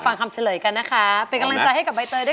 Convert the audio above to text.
ขอโอกาสมัยการกำลังให้ใคร